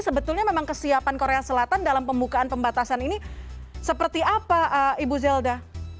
sebetulnya memang kesiapan korea selatan dalam pembukaan pembatasan ini seperti apa ibu zelda